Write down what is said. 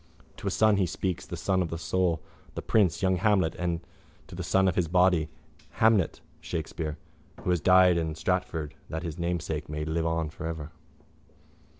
To a son he speaks, the son of his soul, the prince, young Hamlet and to the son of his body, Hamnet Shakespeare, who has died in Stratford that his namesake may live for ever.